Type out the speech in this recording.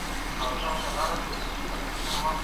د هغوی غوښتني بابېزي بلل کيږي